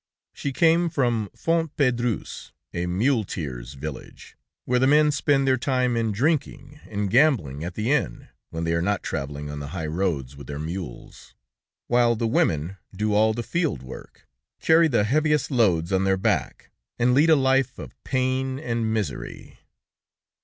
She came from Fontpédrouze, a muleteers' village, where the men spend their time in drinking and gambling at the inn when they are not traveling on the high roads with their mules, while the women do all the field work, carry the heaviest loads on their back, and lead a life of pain and misery.